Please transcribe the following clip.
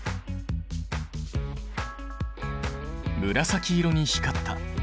紫色に光った。